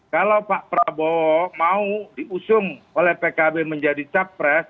kalau pak prabowo mau diusung oleh pkb menjadi capres